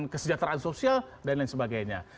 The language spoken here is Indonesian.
kesejahteraan sosial dan lain sebagainya